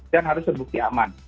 dan harus terbukti aman